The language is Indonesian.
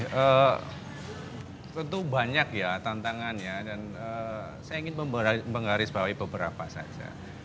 jadi tentu banyak ya tantangannya dan saya ingin menggarisbawahi beberapa saja